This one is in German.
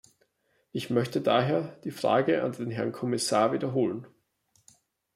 Ich möchte daher die Frage an den Herrn Kommissar wiederholen.